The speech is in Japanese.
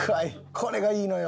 これがいいのよ。